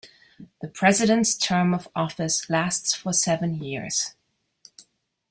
The president's term of office lasts for seven years.